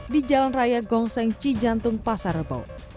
di jalan raya gong seng cijantung pasar rebau